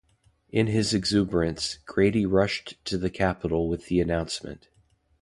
In his exuberance, Grady rushed to the Capitol with the announcement.